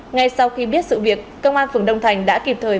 ngay sau khi biết sự việc công an phường đông thành đã kịp thời